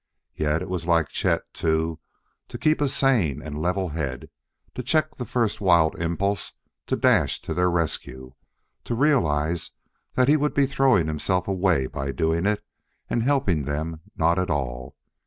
Yet it was like Chet, too, to keep a sane and level head, to check the first wild impulse to dash to their rescue, to realize that he would be throwing himself away by doing it and helping them not at all.